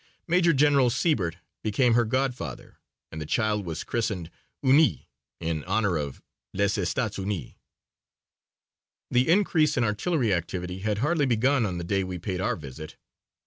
Major General Sibert became her godfather and the child was christened Unis in honor of Les Etats Unis. The increase in artillery activity had hardly begun on the day we paid our visit.